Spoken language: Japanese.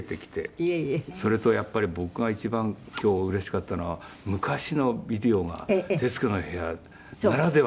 それとやっぱり僕が一番今日うれしかったのは昔のビデオが『徹子の部屋』ならではの。